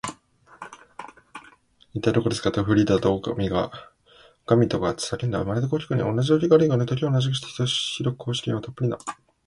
「いったい、どこですか？」と、フリーダとおかみとが叫んだ。まるで、こうきくのには同じ動機があるかのように、時を同じくして、ひどく好奇心たっぷりな